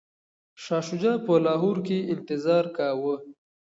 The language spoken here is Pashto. شاه شجاع په لاهور کي انتظار کاوه.